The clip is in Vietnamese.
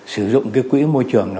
sử dụng cái quỹ môi trường đó